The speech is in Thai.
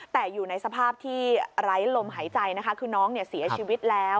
แต่อยู่ในสภาพที่ไร้ลมหายใจนะคะคือน้องเนี่ยเสียชีวิตแล้ว